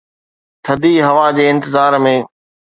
ٿڌي هوا جي انتظار ۾